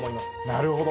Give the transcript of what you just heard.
なるほど。